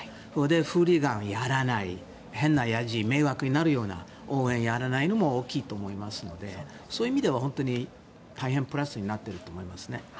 フーリガンをやらない変なヤジ、迷惑になるような応援をやらないということも大きいと思いますのでそういう意味では大変プラスになっていると思います。